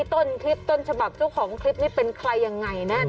ต้นคลิปต้นฉบับเจ้าของคลิปนี้เป็นใครยังไงแน่นอ